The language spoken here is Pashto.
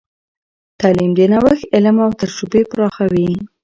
تعلیم د نوښت علم او تجربې پراخوي.